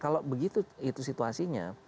kalau begitu situasinya